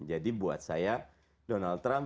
jadi buat saya donald trump